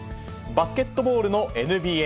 バスケットボールのＮＢＡ。